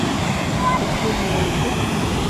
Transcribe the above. پټنوم مو ولیکئ